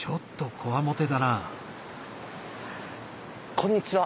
こんにちは。